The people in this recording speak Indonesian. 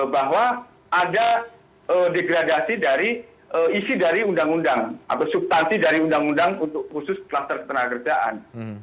bahwa ada degradasi dari isi dari undang undang atau subtansi dari undang undang untuk khusus kluster ketenagakerjaan